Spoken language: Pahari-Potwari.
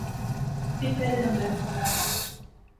فیر پہلے نمبرے اوپر آیا